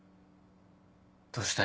どうした？